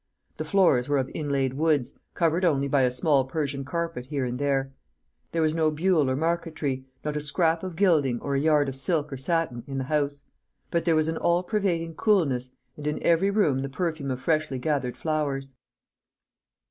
The floors were of inlaid woods, covered only by a small Persian carpet here and there. There was no buhl or marquetery, not a scrap of gilding or a yard of silk or satin, in the house; but there was an all pervading coolness, and in every room the perfume of freshly gathered flowers.